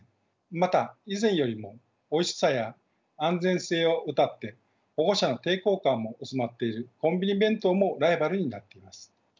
また以前よりもおいしさや安全性をうたって保護者の抵抗感も薄まっているコンビニ弁当もライバルになっています。